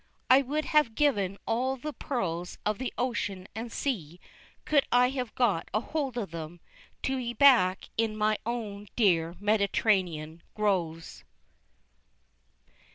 I would have given all the pearls of the ocean and sea, could I have got hold of them, to be back in my own dear Mediterranean groves.